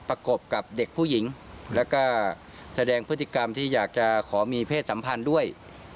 กบกับเด็กผู้หญิงแล้วก็แสดงพฤติกรรมที่อยากจะขอมีเพศสัมพันธ์ด้วย